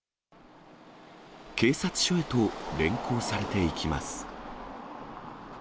警察署へと連行されていきます。